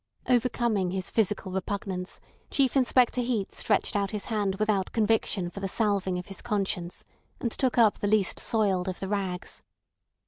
Overcoming his physical repugnance, Chief Inspector Heat stretched out his hand without conviction for the salving of his conscience, and took up the least soiled of the rags.